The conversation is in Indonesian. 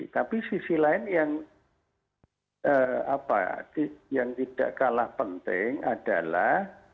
tapi sisi lain yang tidak kalah penting adalah